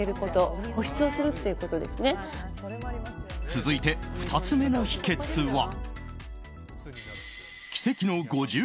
続いて、２つ目の秘訣は。